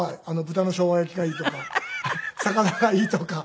豚のショウガ焼きがいいとか魚がいいとか。